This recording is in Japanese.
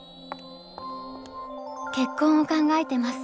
結婚を考えてます。